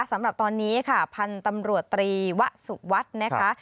สำหรับตอนนี้ค่ะพันธุ์ตำรวจตรีวะสุวัสดิ์นะคะ